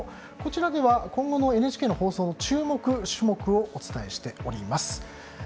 こちらには今後のＮＨＫの放送注目種目をお伝えしております。